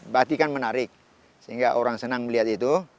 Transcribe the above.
bati kan menarik sehingga orang senang melihat itu